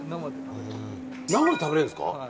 生で食べられるんですか。